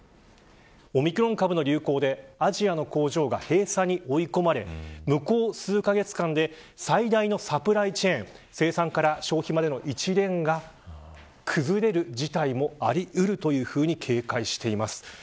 オミクロン株の旅行でアジアの工場が閉鎖に追い込まれ向こう数カ月間で最大のサプライチェーン生産から消費までの一連が崩れる事態もありうると警戒しています。